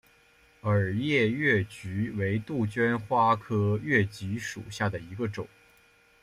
耳叶越桔为杜鹃花科越桔属下的一个种。